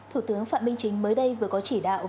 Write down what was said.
thủ tướng phạm minh chính mới đây vừa có chỉ đạo